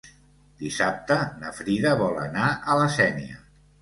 Dissabte na Frida vol anar a la Sénia.